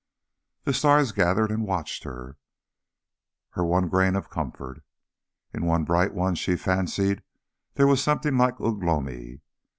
The stars gathered and watched her her one grain of comfort. In one bright one she fancied there was something like Ugh lomi.